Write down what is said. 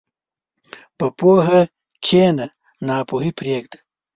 په پوهه کښېنه، ناپوهي پرېږده.